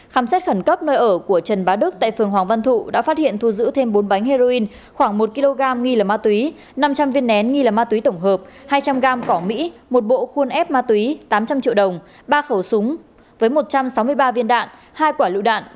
khám xét khẩn cấp nơi ở của trần bá đức tại phường hoàng văn thụ đã phát hiện thu giữ thêm bốn bánh heroin khoảng một kg nghi là ma túy năm trăm linh viên nén nghi là ma túy tổng hợp hai trăm linh gram cỏ mỹ một bộ khuôn ép ma túy tám trăm linh triệu đồng ba khẩu súng với một trăm sáu mươi ba viên đạn hai quả lựu đạn